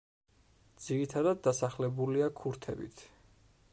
ძირითადად დასახლებულია ქურთებით.